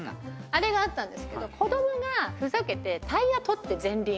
「あれがあったんですけど子どもがふざけてタイヤ取って前輪